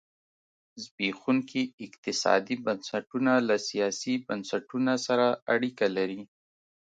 زبېښونکي اقتصادي بنسټونه له سیاسي بنسټونه سره اړیکه لري.